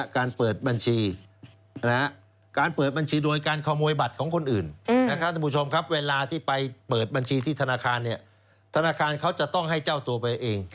การเปิดบัญชีการเปิดบัญชีโดยการขโมยบัตรของคนอื่นนะครับท่านผู้ชมครับเวลาที่ไปเปิดบัญชีที่ธนาคารเนี่ยธนาคารเขาจะต้องให้เจ้าตัวไปเอง